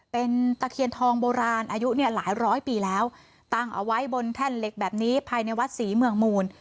เป็นตะเคียนทองโบราณอายุเนี่ยหลายร้อยปีแล้วตั้งเอาไว้บนแท่นเหล็กแบบนี้ภายในวัดศรีเมืองมูล